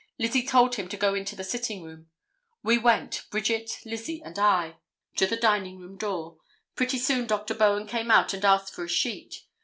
Lizzie told him to go into the sitting room. We went, Bridget, Lizzie and I, to the dining room door. Pretty soon Dr. Bowen came out and asked for a sheet.